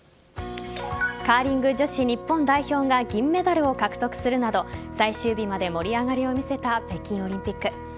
カーリング女子日本代表が銀メダルを獲得するなど最終日まで盛り上がりを見せた北京オリンピック。